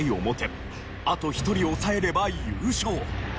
あと１人抑えれば優勝。